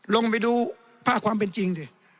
ลงไปดูภาพความเป็นจริงสิ